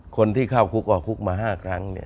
คนที่เข้าคุกออกคุกมา๕ครั้ง